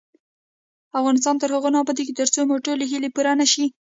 افغانستان تر هغو نه ابادیږي، ترڅو مو ټولې هیلې پوره نشي.